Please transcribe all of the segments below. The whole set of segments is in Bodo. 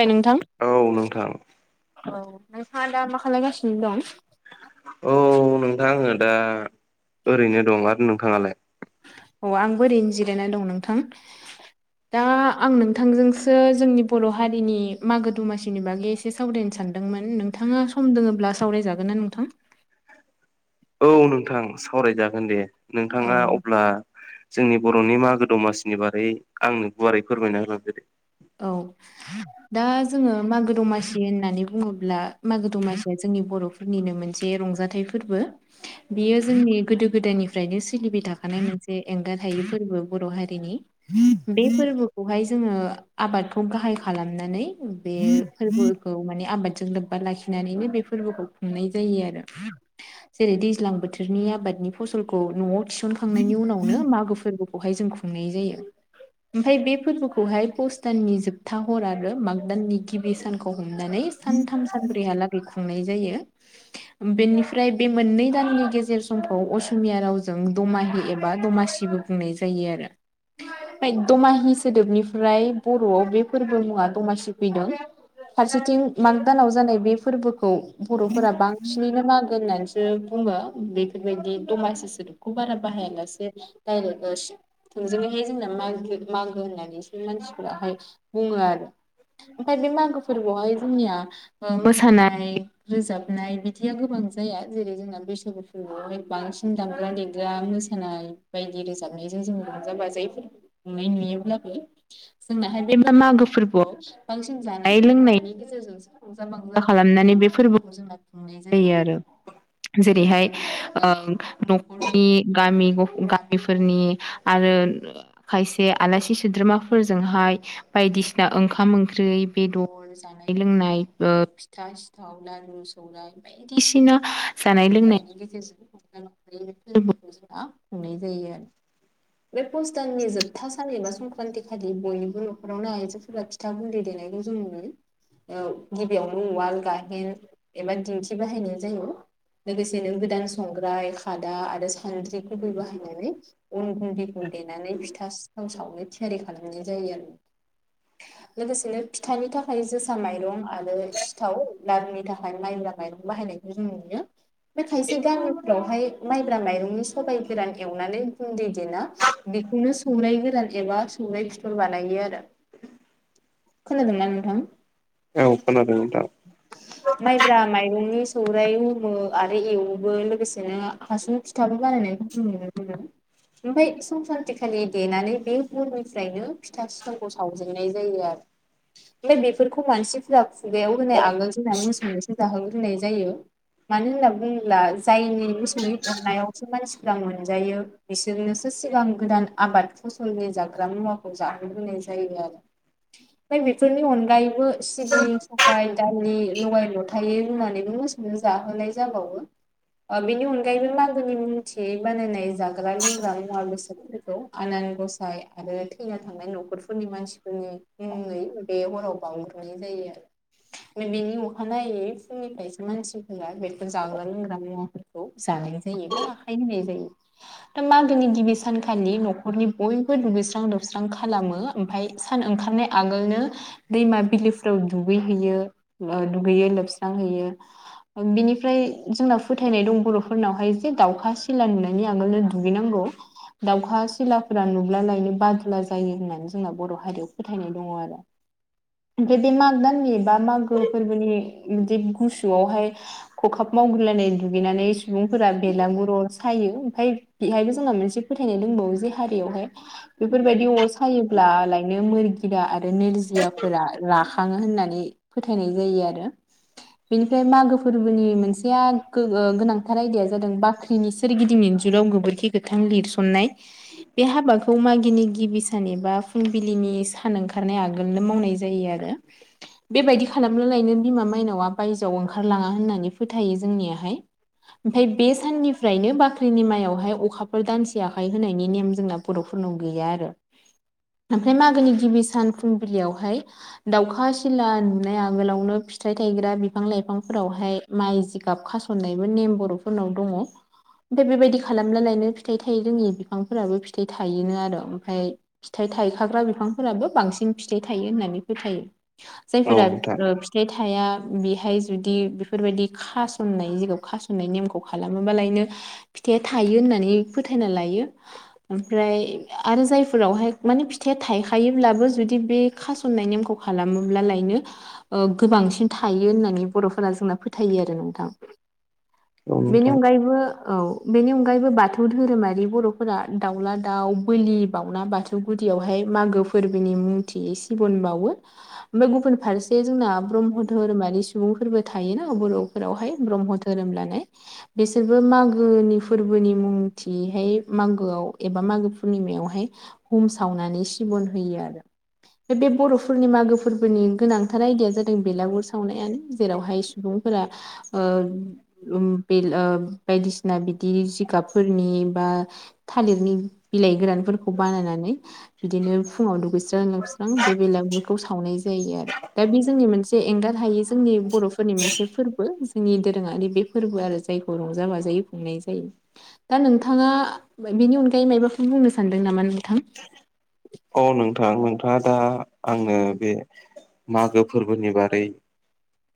बाय नोंथां औ नोंथां औ नोंथाङा दा मा खालायगासिनो दं? औ नोंथां आङो दा ओरैनो दं आरो नोंथाङालाय? अ आंबो ओरैनो जिरायनाय दं नोंथां। दा आं नोंथांजोंसो जोंनि बर' हारिनि मागो दमासिनि बागै एसे सावरायनो सा सानदोंमोन नोंथांङा सम दोङोब्ला सावरायजागोनना नोंथां? औ नोंथां सावरायजागोन दे औ नोंथांङा अब्ला जोंनि बर'नि मागो दमासिनि बारै आंनो गुवारै फोरमायना होलांदो दे औ दा जोंङो मागो दमासि होननानै बुङोब्ला मागो दमासिया जोंनि [unintelligible] बर'फोरनिनो मोनसे रंजाथाइ फोरबो बियो जोंनि गोदो गोदायनिफ्रायनो सोलिबाय थानाय [unintelligible] मोनसे एंगारहायै फोरबो बर' हारिनि बे फोरबोखौहाय जोङो आबादखौ गाहाय खालामनानै बे फोरबोखौ माने आबादजों लोब्बा लाखिनानैनो बे [unintelligible] खुंनाय जायो आरो जेरै दैज्लां बोथोरनि आबादनि फलखौ न'आव थिसन खांनायनि उनावनो मागो फोरबोखौहाय जों खुंनाय जायो ओमफाय बे फोरबोखौहाय फुस दाननि जोबथा हर आरो माग दाननि गिबि सानखौ हमनानै सानथाम सानब्रैहालागै खुंनाय जायो बेनिफ्राय बे मोननै दाननि गेजेर समखौ असमिया रावजों दमा [unintelligible] एबा दमासिबो बुंनाय जायो आरो बाय दमा हो सोदोबनिफ्राय बर'आव बे फोरबो मुंङा दमासि फैदों। फारसेथिं माग दानाव जानाय बे फोरबोखौ बर'फोरा बांसिनैनो मागो होननानैसो [unintelligible] बेफोरबायदि दमासि सोदोबखौ बारा बाहायालासे दायरेख ओ थोंजोंङै [unintelligible] जोंना मागो होननानैसो मानसिफ्राहाय बुंङो आरो ओमफ्राय बे मागो फोरबोआवहाय जोंनिया ओ मोसानाय रोजाबनाय बिदिया गोबां जाया जेरै जोंना बैसागु फोरबोआवहाय बांसिन दामग्रा देग्रा मोसानाय बायदि रोजाबनाय बेजों जों रंजा बाजायै फोरबोखौ खुंनाय नुयोब्लाबो जोंनाहाय बे मा-मागो फोरबोआव बांसिन जानाय लोंनायनि गेजेरजों रंजा बा खालामनानै बे फोरबोखौ जोंना खुंनाय जायो आरो। जेरैहाय ओ न'खरनि गामि गामिफोरनि आरो- खायसे आलासि सोद्रोमाफोर- जोंहाय बायदिसिना ओंखाम ओंख्रि बेदर जानाय लोंनाय ओ फिथा- सिथाव लारु सावनाय बायदिसिना जानाय लोंनायनि गेजेरजों रंजा बाजायै [unintelligible] फोरबोखौ जोंना खुंनाय जायो आरो। बे पुस दाननि जोबथा सान एबा संक्रान्थि खालि बयनिबो नखरावनो आइजोफोरा फिथा गुन्दै देनायखौ जों नुयो ओ गिबियावनो रुवाल गाइहेन एबा दिंखि बाहायनाय जायो। लोगोसे नों गोदान संग्राय खादा आरो सानद्रिखौबो बाहायनानै अन गुन्दैखौ देनानै फिथा सिथाव सावनो थि आरि खालामनाय जायो आरो। लोगोसेनो फिथानि थाखाय बि जोसा माइरं आरो सिथाव लारुनि थाखाय माइब्रा माइरं बाहायनायखौ जों नुयो। बे खायसे गामि फ्रावहाय माइब्रा माइरंनि सबाय गोरान एवनानै गुन्दै देना बेखौनो सौनाय गोरान एबा सौराय फिथर बानायो आरो। खोनादोंना नोंथां? औ खोनादों नोंथां मैगंनि सौराइ हमो आरो एवोबो लोगोसेनो हासुं फिथाबो बानायनायखौ जों नुनो मोनो। ओमफ्राय संक्रान्ति खालि देनानै बे जायनो फिथा सिथावखौ सावजेननाय जायो आरो। ओमफ्राय बेफोरखौ मानसिफोरा खुगायाव होनाय आगोल जोंना मोसौनोसो जाहोग्रोनाय जायो। मानो होनना बुङोब्ला जायनि मोसौै अननायावसो मानसिफ्रा मोनजायो बिसोरनोसो। सिगां गोदान आबाद फसलनि जाग्रा मुवाखौ जाहग्रोनाय जायो आरो। ओमफ्राय बेफोरनि अनगायैबो सिबिं सफाय दालि लगाय लथायो होननानै बु। सनो जाहोनाय जाबावो। ओ बेनि अनगायैबो मागोनि मथियै बानायनाय जाग्रा लोंग्रा मुवा बेसादफोरखौ आन। गसाय। आरो थैना थांनाय न'खरफोरनि मानसिफोरनि बे अराव बावग्र'नाय जायो आरो। बे बिनि अखानायै फुंनिफ्रायसो मानसिफोरा बेथ' जाग्रा लोंग्रा मुवाफोरखौ जानो जानाय जायो बा आखाय होनाय जायो मागोनि गिबि सानखालि न'रनि बय बो दुगैस्रां दौस्रां खालामो ओमफ्राय सान ओंखारनाय आगोलनो दैमा बिलोफ्राव दु गैहैयो ओ दुगैयो लोबस्रांहैयो बिनिफ्राय जोंना फोथायनाय दं बर'फोरनावहाय जे दाउखा सिला नुनायनि आगोलनो दुगैनांगौ दाउखा सिलाफोरा नु ब्ला लायनो बादुला जायो होननानै जोंना बर' हारियाव फोथायनाय दङ आरो ओमफ्राय बे मागो दाननि बा मागो फोरबोनि इदि गुसुआवहाय खखाब मावगुलायनाय दुगैनानै सुबुंफोरा बेलागुराव सायो ओमफ्राय बेहायबो जोंहा मोनसे फोथायनाय दंबावो जे हारियावहाय बेफोरबायदि अर सायोब्ला लायनो मोरगिया आरो नोरजियाफोरा राखां ङो होननानै फोथायनाय जायो आरो बेनिफ्राय मागो फोरबोनि मोनसेया गो ओ गोनांथार आयदाया जादों बाख्रिनि सोरगिदिं इनजुराव गोबोरखि गोथां लिरसननाय बे हाबा खौ मागिनि गिबि सान एबा फुंबिलिनि सान ओंखारनाय आगोलनो मावनाय जायो आरो बेबायदि खालामनो लायनो बिमा माइनावआ बायजोआव ओंखारलाङा होननानै फोथायो जोंनियाहाय ओमफ्राय बे साननिफ्रायनो बाख्रिनि माइयावहाय अखाफोर दानसे आखाइ होनायनि नेम जोंनाव बर'फोरनाव गैया आरो ओमफ्राय मागोनि गिबि सान फुंबिलियावहाय दाउखा सिला नुनाय आगोलावनो फिथाइ थायग्रा बिफां लाइफांफोरावहाय माइ जिगाब खासननायबो नेम बर'फोरनाव दङ ओमफ्राय बेबायदि खालामला लायनो फिथाइ थायो रोङनि बिफांफोराबो फि थाइ थायोनो आरो ओमफ्राय फिथाइ थायखाग्रा बिफांफोराबो बांसिन फिथाइ थायो होननानै फोथायो औ जायफोरा नोंथां ओ फिथाइ थाया बेहाय जुदि बेफोरबायदि खास'ननाय जिगायाव खासननाय नेमखौ खालामोबालायनो फि थाया थायो होननानै फोथायना लायो ओमफ्राय आरो जायफोरावहाय माने फिथाइया थायखायोब्लाबो जुदि बे खासननाय नेमखौ खालामोब्ला लायनो गोबांसिन थायो होननानै बर'फोरा जोंना फोथायो आरो नोंथां औ बेनि नोंथां अनगायैबो औ बेनि अनगायैबो बाथौ धोरोमारि बर'फोरा दाउला दाउ बोलि बावउना बाथौ गुदियावहाय मागो फोरबोनि मुंथि सिबुन बावो ओमफ्राय गुबुन फारसे जोंना ब्रह्म धोरोमारि सुबुंफोरबो थायोना बर'फोरावहाय ब्रह्म धोरोम लानाय बिसोरबो मागोनि फोरबोनि मुंथिहाय मा गोआव एबा मागो पुर्निमायावहाय हुम सावनानै सिबन होयो आरो बे बे बर'फोरनि मागो फोरबोनि गोनांथार आयदाया जादों बेलागुर सावनायानो जेरावहाय सुबुं फोरा ओ उम बि ओ बायदिसि बिदि जिगाबफोरनि आ थालिरनि बिलाइ गोरानफोरखौ बानायनानै बिदिनो फुङाव दुगैस्रां लोबस्रां बे बेलायाव बेलागुरखौ सावनाय जायो आरो दा बे जोंनि मोनसे एंगार हायो जोंनि बर'फोरनि मोनसे फोरबो जोंनि दोरोङारि बे फोरबो आरो जायखौ रंजा बाजायै खुंनाय जायो दा नोंथाङा बेनि अनगायै मायबाफोर बुंनो सानदों नामा औ नोंथां नोंथां आ दा आंनो बे मागो फोरबोनि बारै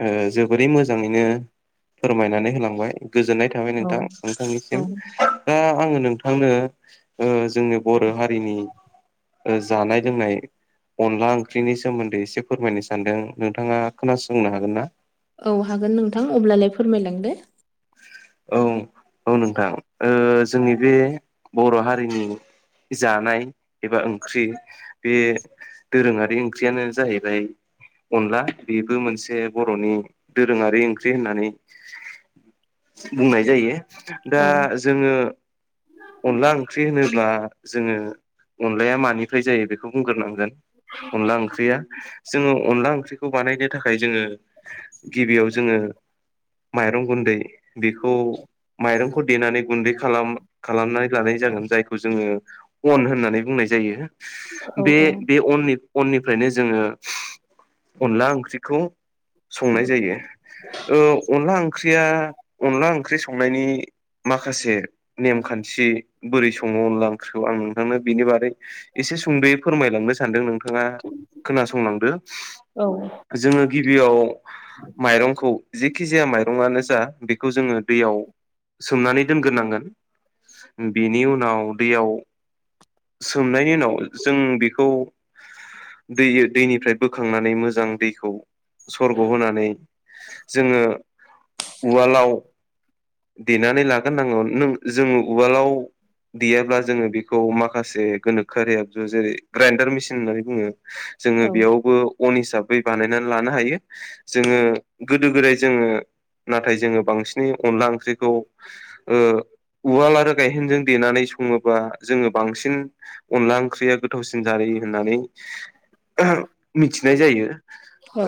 ओ जोबोरै मोजाङैनो फोरमायनानै होलांबाय गोजोननाय थाबाय औ नोंथां नोंथांनिसिम औ दा आङो नोंथांनो ओ जोंनि बर' हारिनि ओ जानाय लोंनाय अनला ओंख्रिनि सोमोन्दै एसे फोरमायनो सानदों नोंथाङा खोनासंनो हागोन ना औ हागोन नोंथां अब्लालाय फोरमायलांदो औ औ नोंथां ओ जोंनि बे बर' हारिनि जानाय एबा ओंख्रि बे दोरोङारि ओंख्रियानो जाहैबाय अनला बेबो मोनसे बर'नि दोरोङारि ओंख्रि होननानै बुंनाय जायो। दा औ जोङो अनला ओंख्रि होनोब्ला जोङो अनलाया मानिफ्राय जायो बेखौ बुंग्रोनांगोन‌। अनला ओंख्रिया जोङो अनला ओंख्रिखौ बानायनो थाखाय जोङो गिबियाव जोङो माइरं गुन्दै बेखौ माइरंखौ देनानै गुन्दै खालाम खालामनानै लानाय जागोन जायखौ जोङो अन होननानै बुंनाय जायो। औ बे औ बे अननि-अननिफ्रायनो अनला ओंख्रिखौ संनाय जायो। ओ अनला ओंख्रिया अनला ओंख्रि संनायनि माखासे नेमखान्थि बोरै सङो अनला ओंख्रिखौ आं नोंथांनो बिनि बारै एसे सुंद'यै फोरमायलांनो। सानदों नोंथाङा खोनासंलांदो। औ जोङो गिबियाव माइरंखौ जेखि जाया माइरंयानो जा बे बेखौ जोङो दैयाव सोमनानै दोनग्रोनांगोन। बेनि उनाव दैयाव सोमनायनि उनाव जों बेखौ दै दैनिफ्राय बोखांनानै मोजां दैखौ सरग' होनानै जोङो उवालाव देनानै लागोन नांगौ। नों जोङो उवालाव देयाब्ला जोङो बेखौ माखासे गोनोखोआरि आबजु जेरै ग्राइडार मेसिन होननानै बुङो जोङो औ बेयावबो अन हिसाबै बानायनानै लानो हायो। जोङो गोदो गोदाय जोङो नाथाय जोङो बांसिनै अनला ओंख्रिखौ ओ उवाल आरो गायहेनजों देनानै सङोबा जोङो बांसिन अनला ओंख्रिया गोथावसिन जायो होननानै मिथिनाय जायो। औ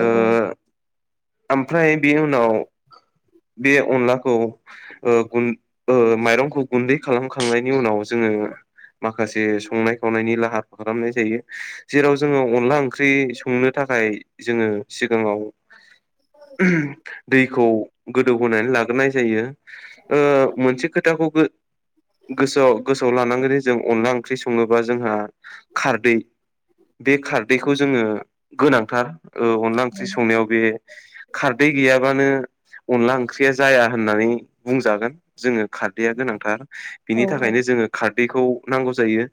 ओमफ्राय बे उनाव बे अनलाखौ ओ गुन ओ माइरंखौ गुन्दै खालामखांनायनि उनाव जोङो माखासे संनाय खावनायनि लाहार खालामनाय जायो जेराव जोङो अनला ओंख्रि संनो थाखाय थाखाय जोङो सिगाङाव दैखौ गोदौ होनोनानै ला जायो ओ मोनसे खोथाखौ गो-गोसोआव‌-गोसोआव लानांगोन जों अला ओंख्रि सङोबा जोंहा खारदै बे खारदैखौ जोङो गोनांथार ओ अनला ओंख्रि संनायाव बे खारदै गैयाबानो अनला ओंख्रिया नानै बुंजागोन। जोङो खारदैया गोनांथार बिनि औ थाखायनो जोङो खार दैखौ नांगौ जायो।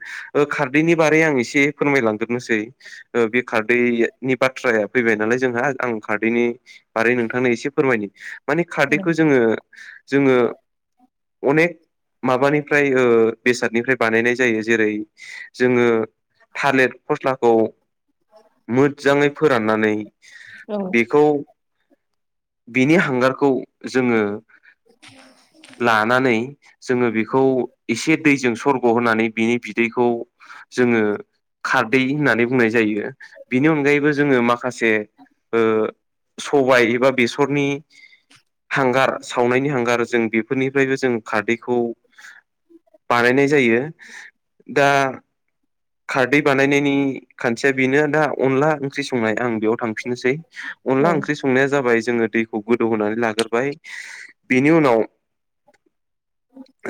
खारदैनि बारै आं एसे फोरमायलांगोरनोसै बे खारदै बाथ्राया फैबाय नालाय जोंहा आं खारदैनि बारै नोंथांनो एसे फोरमायनि माने जोङो-जोङो अनेख माबानि‌ निफ्राय ओ बेसादनिफ्राय बानायनाय जायो जेरै जोङो थालिर फस्लाखौ मोजाङै फोराननानै औ बेखौ बिनि हांगारखौ जोङो लानानै जोङो बेखौ एसे दैजों सरग' होनानै बिनि बिदैखौ जोङो खारदै होननानै बुंनाय जायो। बिनि अनगायैबो जोङो माखासे ओ सबाय एबा बेसरनि हांगार सावनायनि हांगार जों बेफोरनिफ्रायबो जों खारदैखौ बानायनाय जायो। दा खारदै बानायनायनि खान्थिया बेनो दा अनला ओंख्रि संनाय। आं बेयाव थांफिननोसै अनला ओंख्रि संनाया जाबाय जोङो दैखौ गोदौ होनोनानै लाग्राय बेनि उनाव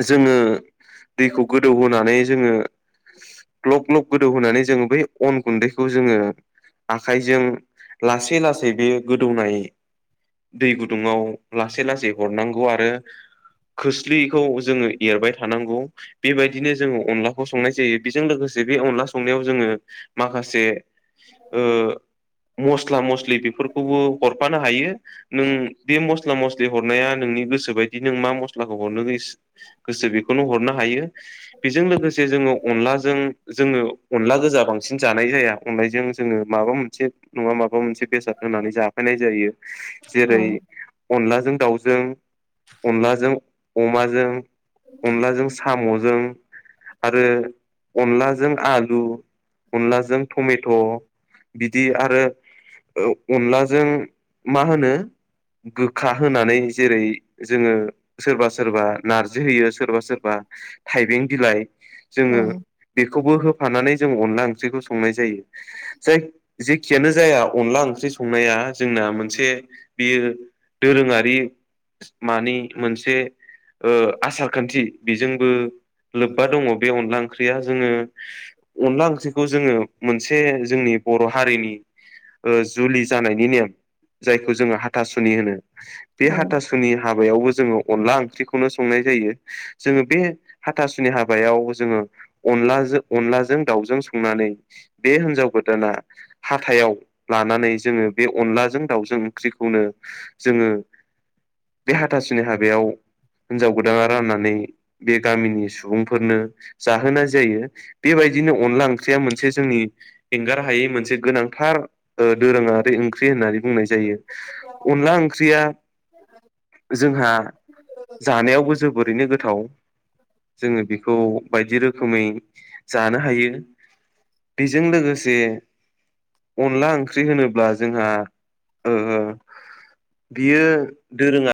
जोङो दैखौ गोदौहोनानै जोङो ग्लब ग्लब गोदौ होनोनानै जोङो बै अन गुन्दैखौ जोङो आखाइजों लासै लासै बे गोदौनाय दै गुदुाव लासै लासै हरनांगौ आरो खोस्लिखौ जोङो एरबाय थांनांगौ। बेबायदिनो जोङो अनलाखौ संनाय जायो बेजों लोगोसे बे अनला संनायाव जोङो माखासे ओ मस्ला मस्लि बेफोरखौबो फानो हायो नों बे म मस्ला मस्लि हरनाया नोंनि गोसो बायदि नों मा मस्लाखौ हरनो गोसो बेखौनो हरनो हायो। बेजों लोगोसे जोङो अनलाजों जोङो अनला गोजा बांसिन जानाय जाया अननायजों जों ङो मा मोनसे नङा माबा माबा मोनसे बेसाद होनानै जाफैनाय जायो जेरै अनलाजों दाउजों अनलाजों अमाजों अनलाजों साम'जों आरो अनलाजों आलु अनलाजों टमेट' बिदि आरो अनलाजों मा होनो गोखा होनानै जेरै जोङो सोरबा सोरबा नारजि होयो सोरबा सोरबा थाइबें बिलाइ औ जोङो औ बेखौबो हो फानानै जों अनला ओंख्रिखौ संनाय जायो जाय जेखियानो जाया अनला ओंख्रि संनाया जोंना मोनसे बियो दोरोङारि मानि मोनसे ओ‌ आसार खान्थि बेजोंबो लोब्बा दङ बे अनला ओंख्रिया जोङो अनला ओंख्रिखौ जोङो मोनसे जोंनि बर' हारिनि ओ जुलि जानाय नि नेम जायखौ जों हाथासुनि होनो बे औ हाथासुनि हाबायावबो जोङो अनला ओंख्रिखौनो संनाय जायो बे हाथासुनि हाबायाव जोङो अन अनलाजों अनलाजों दाउजों संनानै बे हिनजाव गोदाना हाथायाव लानानै जोङो बे अनलाजों दाउजों ओंख्रिखौनो जोङो बे हाथासुनि हाबायाव हिनजाव गोदाना राननानै बे गामिनि सुबुंफोरनो जाहोनाय जायो बेबायदि दिनो अनला ओंख्रिया मोनसे जोंनि एंगारनो हायै मोनसे गोनांथार दोरोङा ओंख्रि होननानै बुंनाय जायो अनला ओंख्रिया जोंहा जानायावबो जोबोरैनो गोथाव जोङो बेखौ बायदि रोखोमै जानो हायो। बेजों लोगोसे अनला ओंख्रि होनोब्ला जोंहा ओ बियो दोरोङा